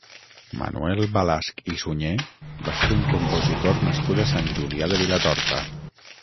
Manuel Balasch i Suñé va ser un compositor nascut a Sant Julià de Vilatorta.